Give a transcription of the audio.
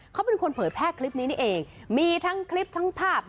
เขาเป็นคนเผยแพร่คลิปนี้นี่เองมีทั้งคลิปทั้งภาพ